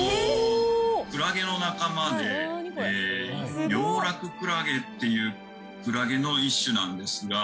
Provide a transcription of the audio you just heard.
クラゲの仲間でヨウラククラゲっていうクラゲの一種なんですが。